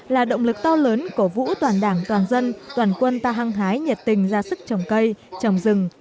là động lực to lớn cổ vũ toàn đảng toàn dân toàn quân ta hăng hái nhiệt tình ra sức trồng cây trồng rừng